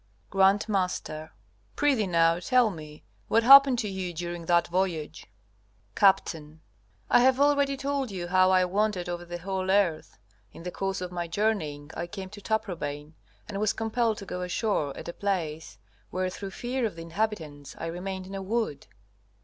G.M. Prithee, now, tell me what happened to you during that voyage? Capt. I have already told you how I wandered over the whole earth. In the course of my journeying I came to Taprobane, and was compelled to go ashore at a place, where through fear of the inhabitants I remained in a wood.